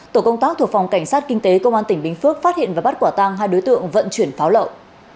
tổ công tác thuộc phòng cảnh sát kinh tế công an tỉnh bình phước phát hiện và bắt quả tăng hai đối tượng vận chuyển pháo lậu